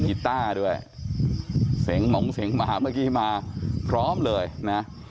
มีกิต้าด้วยเสงส์หมองเสงส์หมาเมื่อกี้มาพร้อมเลยนะ